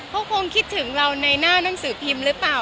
เขาคงคิดถึงเราในหน้านังสือพิมพ์หรือเปล่า